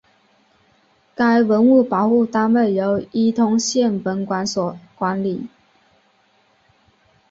该文物保护单位由伊通县文管所管理。